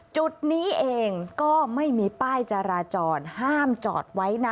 จุดนี้เองก็ไม่มีป้ายจราจรห้ามจอดไว้นะ